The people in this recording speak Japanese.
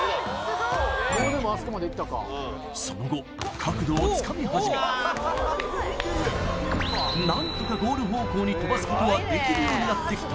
その後角度をつかみ始め何とかゴール方向に飛ばすことはできるようになってきた